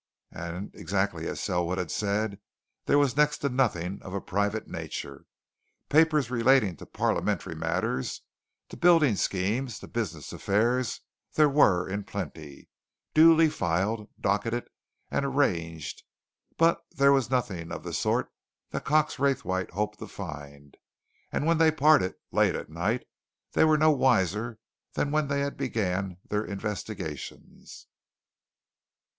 And, exactly as Selwood had said, there was next to nothing of a private nature. Papers relating to Parliamentary matters, to building schemes, to business affairs, there were in plenty, duly filed, docketed, and arranged, but there was nothing of the sort that Cox Raythwaite hoped to find, and when they parted, late at night, they were no wiser than when they began their investigations.